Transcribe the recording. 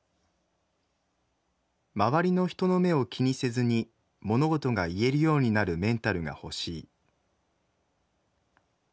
「周りの人の目を気にせずに物事が言えるようになるメンタルが欲しい。